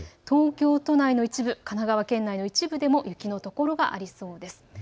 東京都内の一部、神奈川県内の一部でも雪の所がありそうです。